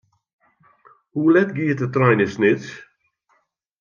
Hoe let giet de trein nei Snits?